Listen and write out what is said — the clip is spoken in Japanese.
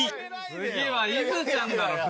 次はいずちゃんだろ普通。